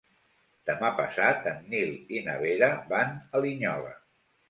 Demà passat en Nil i na Vera van a Linyola.